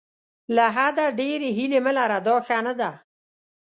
له حده ډېرې هیلې مه لره دا ښه نه ده.